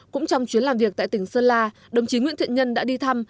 cũng trong chuyến làm việc tại tỉnh sơn la đồng chí nguyễn thiện nhân đã đi thăm